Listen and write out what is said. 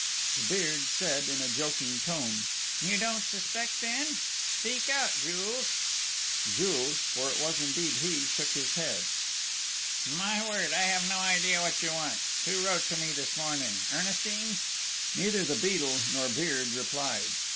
The Beard said in a joking tone: "You don't suspect, then? Speak out, Jules!..." Jules for it was indeed he shook his head. "My word, I have no idea what you want!... Who wrote to me this morning? Ernestine?" Neither the Beadle nor Beard replied.